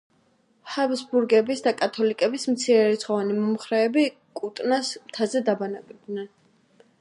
ჰაბსბურგების და კათოლიკების მცირერიცხოვანი მომხრეები კუტნას მთაზე დაბანაკდნენ.